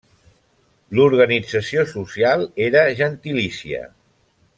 L'organització social era gentilícia.